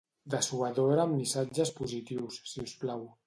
Dessuadora amb missatges positius, siusplau.